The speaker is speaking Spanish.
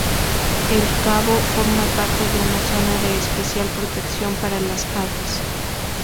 El cabo forma parte de una Zona de Especial Protección para las Aves.